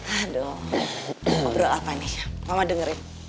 aduh ngobrol apa nih mama dengerin